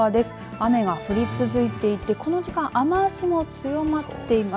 雨が降り続いていてこの時間雨足も強まっています。